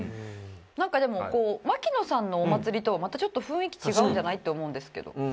なんかでもこう槙野さんの「お祭り」とはまたちょっと雰囲気違うんじゃない？と思うんですけど。